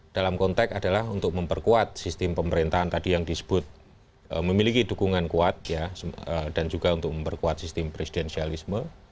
dalam konteks adalah untuk memperkuat sistem pemerintahan tadi yang disebut memiliki dukungan kuat dan juga untuk memperkuat sistem presidensialisme